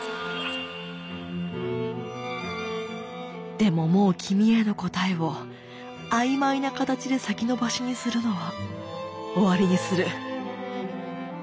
「でももう君への答えを曖昧な形で先延ばしにするのは終わりにする」。